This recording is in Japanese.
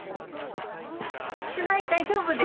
取材大丈夫です。